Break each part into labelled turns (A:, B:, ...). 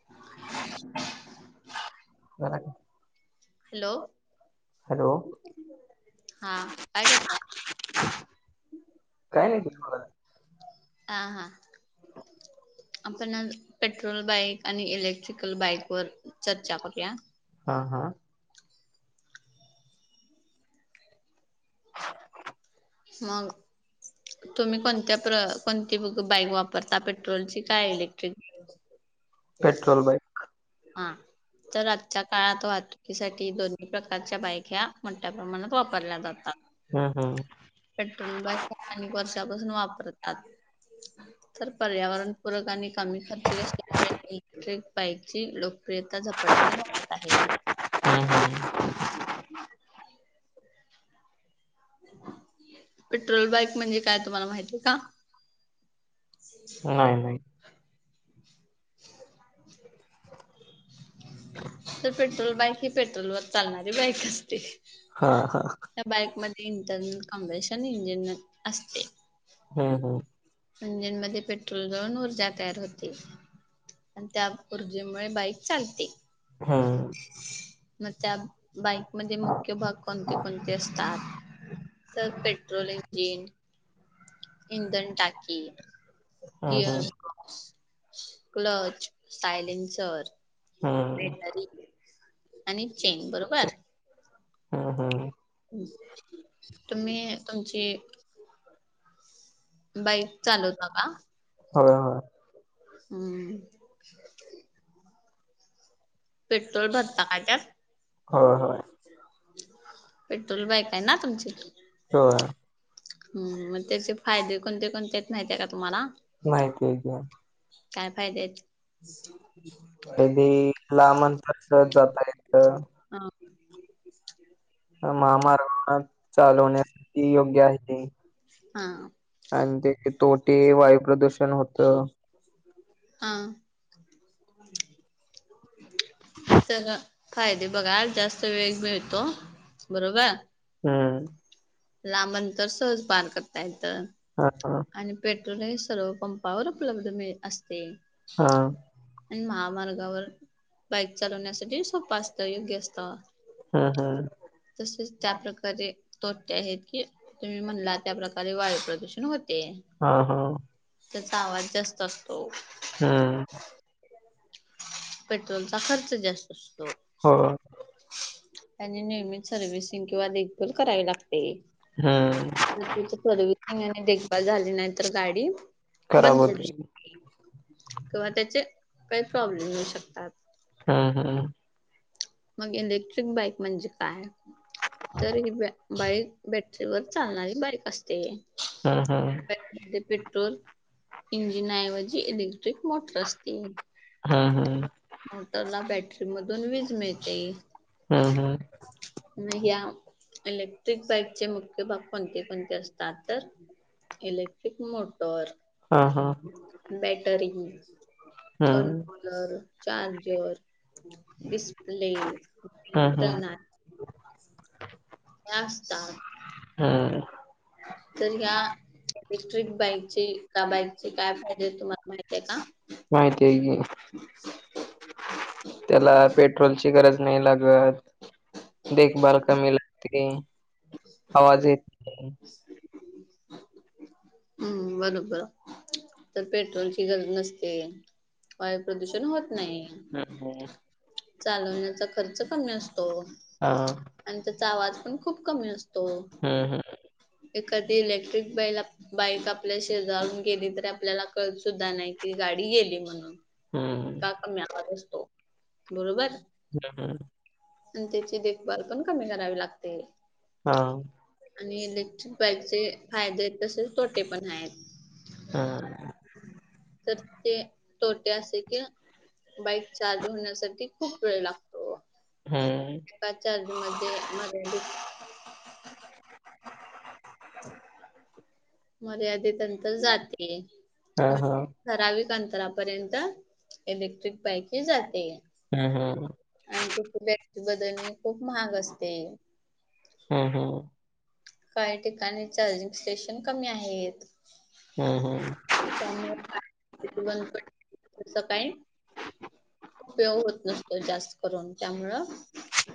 A: [inaudible]
B: झाला की.
A: Hello
B: hello
A: हा काय करताय?
B: काय नाही
A: आ हा.
B: [inaudible]
A: आपण आज पेट्रोल बाईक आणि इलेक्ट्रिकल बाईक वर चर्चा करूया.
B: हा हा.
A: मग तुम्ही कोणत्या प्र कोणती ब बाईक वापरता पेट्रोलची काय इलेक्ट्रिक?
B: [inaudible] पेट्रोल बाईक
A: आं तर आजच्या काळात तू की साठी दोन्ही प्रकारच्या बायक्या मोठ्या प्रमाणात वापरल्या जातात.
B: हम्म हम्म.
A: पेट्रोल बाईक आणि वर्षापासून वापरतात. तर पर्यावरणपूरक आणि कमी खर्च असल्यामुळे इलेक्ट्रिक बाईक ची लोकप्रियता झपाट्याने वाढत आहे.
B: हम्म हम्म.
A: पेट्रोल बाईक म्हणजे काय तुम्हाला माहितीय का? नाय.
B: नाही नाही [inaudible]
A: तर पेट्रोल बाईक ही पेट्रोलवर चालणारी बाईक असते.
B: हा हा.
A: त्या बाईकमध्ये इंटरनल कम्वेशन इंजिन असते.
B: हम्म हम्म.
A: इंजनमध्ये पेट्रोल जाऊन ऊर्जा तयार होते. आणि त्या ऊर्जेमुळे बाईक चालते.
B: हम्म
A: मग त्या बाईकमध्ये मुख्य भाग कोणते कोणते असतात? तर पेट्रोल इंजिन इंधन टाकी
B: हम्म
A: गियरबॉक्स, क्लच, सायलेनसर
B: हम्म
A: बॅटरी आणि चैन बरोबर?
B: हम्म हम्म.
A: तुम्ही तुमची बाईक चालवता का?
B: होय होय
A: हम्म. पेट्रोल भरता काय त्यात?
B: होय होय
A: पेट्रोल बाईक आहे ना तुमची?
B: होय
A: हम्म, ‌मग त्याचे फायदे कोणते कोणते आहेत माहितीये का तुम्हाला?
B: माहिती हाय की.
A: काय फायदे आहेत?
B: एक लांब अंतर सहज जाता येतं.
A: हा
B: अ महामार्गावर चालवण्यासाठी योग्य आहे ते.
A: हा
B: आणि तेे तोटे वायू प्रदूषण होतं.
A: हा. त्याच फायदे बघाल जास्त वेग मिळतो. बरोबर?
B: हम्म.
A: लांब अंतर सहज पार करता येत.
B: हा हा
A: आणि पेट्रोल हे सर्व पंपावर उपलब्ध मिळ असते.
B: हा
A: आणि महामार्गावर बाईक चालवण्यासाठी सोप असतं, योग्य असतं.
B: हम्म हम्म
A: तसेच त्याप्रकारे छोटे आहेत की तुम्ही म्हणला त्याप्रकारे वायू प्रदूषण होते.
B: हा हा
A: त्याचा आवाज जास्त असतो.
B: हम्म
A: पेट्रोलचा खर्च जास्त असतो.
B: हो
A: त्यांनी नियमित सर्व्हसिंग किंवा देखभाल करावी लागते.
B: हम्म.
A: आणि त्याची सर्व्हिसिंग आणि देखभाल झाली नाही तर गाडी
B: खराब
A: बंद पडू
B: होते.
A: शकते किंवा त्याचे काही प्रॉब्लेम होऊ शकतात.
B: हम्म हम्म.
A: मग इलेक्ट्रिक बाईक म्हणजे काय? तर ही बाईक बॅटरीवर चालणारी बाईक असते. या
B: हम्म हम्म.
A: बाईकमध्ये पेट्रोल इंजिनाऐवजी इलेक्ट्रिक मोटर असते.
B: हम्म हम्म.
A: मोटरला बॅटरीमधून वीज मिळ
B: हम्म हम्म.
A: म ह्या इलेक्ट्रिक बाईकचे मुख्य भाग कोणते कोणते असतात तर? इलेक्ट्रिक मोटर
B: हा हा.
A: बॅटरी,
B: हम्म.
A: कंट्रोलर, चार्जर डिस्प्ले,
B: हम्म हम्म.
A: प्रना ह्या असतात.
B: हम्म.
A: तर या इलेक्ट्रिक बाईकची एका बाईकची काय फायदे आहेत तुम्हाला माहित आहे का?
B: माहितेय की.
A: [inaudible]
B: त्याला पेट्रोलची गरज नाही लागत. देखभाल कमी लागते आवाज नाय. [inaudible]
A: हम्म बरोबर. तर पेट्रोलची गरज नसते वायू प्रदूषण होत नाही.
B: हम्म.
A: चालवण्याचा खर्च कमी असतो.
B: हा.
A: आणि त्याचा आवाज पण खूप कमी असतो.
B: हम्म
A: एखादी इलेक्ट्रिक बैल बाईक आपल्या शेजारून गेली तरी आपल्याला कळत सुद्धा नाही कि गाडी गेली म्हणून.
B: हम्म.
A: इतका कमी आवाज असतो बरोबर.
B: [unintelligible]
A: आणि त्याची देखभाल पण कमी करावी लागते.
B: हा.
A: आणि इलेक्ट्रिक बाईकचे फायदे आहेत तसेच तोटे पण आहेत.
B: हां.
A: तर ते तोटे असे की बाईक चार्ज होण्यासाठी खूप वेळ लागतो.
B: हम्म.
A: एका चार्जिंग मध्ये. [unintelligible] [inaudible] मर्यादित अंतर जाते
B: हा
A: म
B: हा.
A: ठराविक अंतरापर्यंत इलेक्ट्रिक बाईक ही जाते.
B: हम्म हम्म.
A: आणि तिची बॅटरी बदलणे खूप महाग असते.
B: हम्म हम्म.
A: काही ठिकाणी चार्जिंग स्टेशन कमी आहेत
B: हम्म हम्म.
A: त्यामुळे [inaudible] तसं काय उपयोग होत नसतो जास्त करून त्यामुळं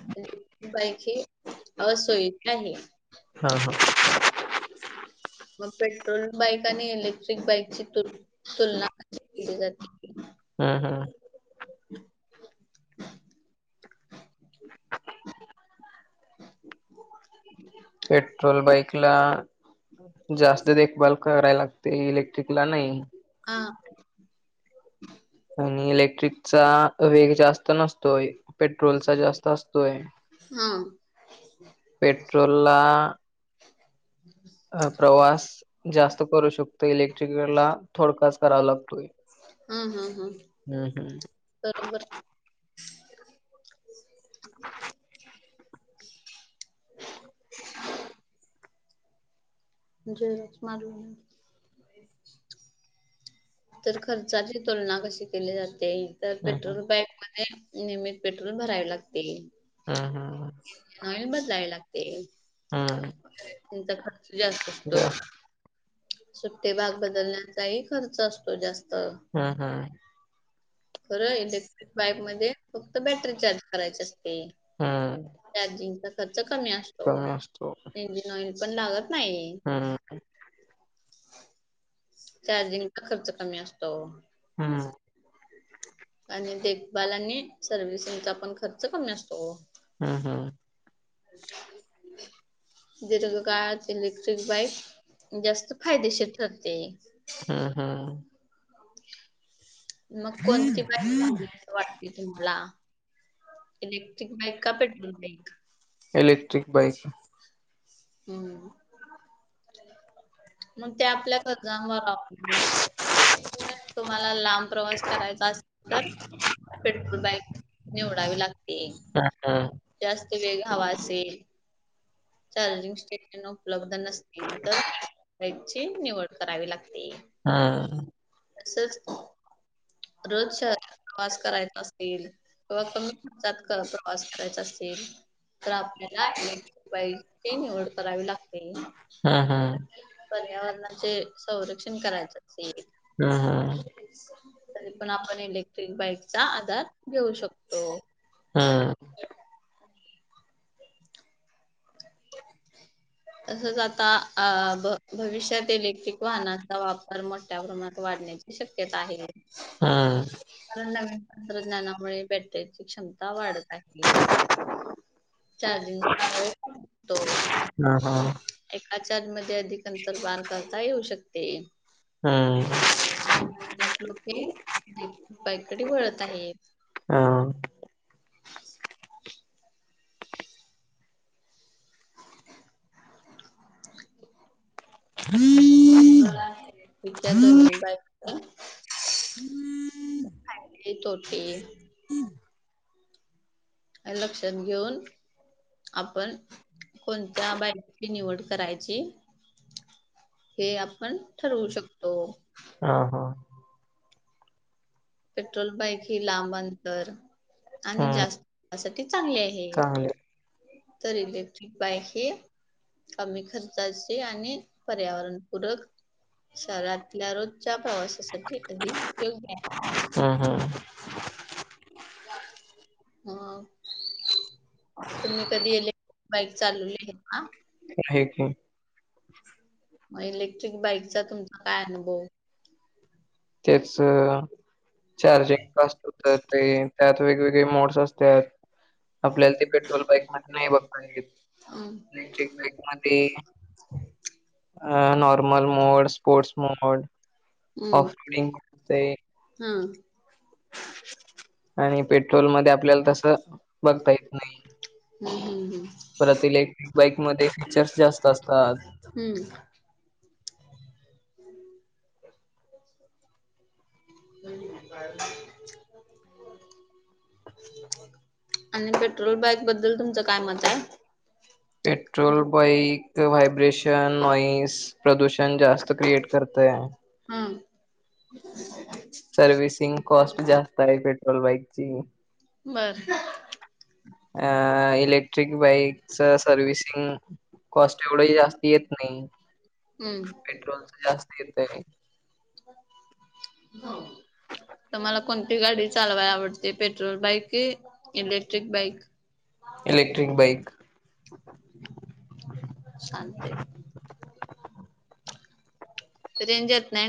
A: [inaudible] बाईक ही असोविक आहे.
B: हा हा.
A: मग पेट्रोल बाईक आणि इलेक्ट्रिक बाईकची तुल तुलना [inaudible] जाते.
B: हम्म हम्म.
A: [inaudible]
B: [inaudible] पेट्रोल बाईकला जास्त देखभाल कराय लागते इलेक्ट्रिकला नाही.
A: आं
B: आणि इलेक्ट्रिकचा वेग जास्त नसतोय पेट्रोलचा जास्त असतोय.
A: हां.
B: पेट्रोलला अ प्रवास जास्त करू शकतो इलेक्ट्रिकला थोडकाच करावा लागतोय.
A: हा हा
B: हम्म हम्म.
A: बरोबर. जच [unintelligible] [inaudible] तर खर्चाची तुलना कशी केली जाते इतर
B: हम्म
A: पेट्रोल बाईक मध्ये नियमित पेट्रोल भरावे लागते.
B: हम्म हम्म
A: इंजिन ऑइल बदलावे लागते.
B: हम्म
A: [unintelligible] खर्च जास्त
B: जा
A: असतोय. सुट्टे भाग बदलण्याचाही खर्च असतो जास्त.
B: हम्म हम्म.
A: खरं इलेक्ट्रिक बाईक मध्ये फक्त बॅटरी चार्ज करायची असते.
B: हम्म
A: चार्जिंगचा खर्चा कमी असतो.
B: कमी असतो
A: इंजिन ऑइल पण लागत नाही.
B: हम्म.
A: चार्जिंगचा खर्च कमी असतो.
B: हम्म.
A: आणि देखभाल आणि सर्व्हिसिंगचा पण खर्च कमी असतो.
B: हम्म हम्म.
A: [unintelligible] काय इलेक्ट्रिक बाईक जास्त फायदेशीर ठरते.
B: हम्म हम्म.
A: मग कोणती बाईक [unintelligible] वाटते तुम्हाला? Electric bike, petrol bike?
B: बघायची.
A: हम्म. मग त्या आपल्या गरजांवर अवलंबून असते. तर तुम्हाला लांब प्रवास करायचा असेल तर पेट्रोल बाईक निवडावी लागते.
B: हा हा.
A: जास्त वेग हवा असेल, चार्जिंग स्टेशन उपलब्ध न तर बाईकची निवड करावी लागते.
B: हम्म.
A: तसंच रोज शहरात प्रवास करायचा असेल किंवा कमी खर्चात प्रवास करायचा असेल तर आपल्याला इलेक्ट्रिक बाईकची निवड करावी लागते.
B: हम्म हम्म
A: पर्यावरणाचे संरक्षण करायचं असेल
B: हम्म हम्म. [inaudible]
A: तरी पण आपण इलेक्ट्रिक बाईकचा आधार घेऊ शकतो.
B: हम्म
A: तसंच आता अ भ भविष्यात इलेक्ट्रिक वाहनांचा वापर मोठ्या प्रमाणात वाढण्याची शक्यता आहे.
B: हम्म.
A: कारण नवीन तंत्रज्ञानामुळे बॅटरीची क्षमता वाढत आहे. चार्जिंगला‌ वेळ
B: हा हा
A: [unintelligible] एका चार्जिंगमध्ये अधिक अंतर पार करता येऊ शकते.
B: हम्म.
A: त्यामुळे आता लोके इलेक्ट्रिक बाईककडे वळत आहेत.
B: हा. [inaudible]
A: इथल्या दोन्ही बाईकच्या फायदे तोटे लक्षात घेऊन आपण कोणत्या बाईकची निवड करायची हे आपण ठरवू शकतो.
B: हा हा.
A: पेट्रोल बाईक हि लांब अंतर आणि
B: हम्म
A: जास्त [unintelligible] साठी चांगली आहे.
B: चांगले
A: तर इलेक्ट्रिक बाइक ही कमी खर्चाची आणि पर्यावरणपूरक शहरातल्या रोजच्या प्रवासासाठी तरी योग्य आहे.
B: हम् हम.
A: हा तुम्ही कधीइलेक्ट्रिक बाईक चालवली आहे का?
B: नाही की.
A: मग इलेक्ट्रिक बाइकचा तुमचा काय अनुभव.
B: तेच चार्जिंग फस्ट होत ते त्यात वेगवेगळे मोड्स असतात.
A: आपल्याला कट बाईक मध्ये नाही होत
B: इलेक्ट्रिक बाईक
A: आहे्टईक मध्ये [unintelligible]
B: अ normal mode sports mode. Off
A: हम्.
B: रोडिंग ते.
A: हा.
B: आणि पेट्रोल मध्ये आपल्याला तस बघता येत नाही.
A: हम्म हम्म.
B: परत इलेक्ट्रिक बाइक मध्ये फीचर्स जास्त असतात.
A: हम्म. ह काय? आणि पेट्रोल बाईक बद्दल तुमचं काय मत हाय.
B: Petrol bike vibration noise. प्रदूषण जास्त क्रिएट करतय.
A: हम. [inaudible]
B: सर्व्हसिंग कॉस्ट जास्त आहे पेट्रोल बाईकची.
A: बरं.
B: अ इलेक्ट्रिक बाईकच सर्विसिंग. कॉस्ट एवढेही जास्त येत नाही
A: हम्म.
B: पेट्रोलचा जास्त येतय.
A: हो. तुम्हाला कोणती गाडी चालवायला आवडते पेट्रोल बाईक की. Electric bike.
B: इलेक्ट्रिक बाईक
A: शांत हाय. रेंज येत नाय.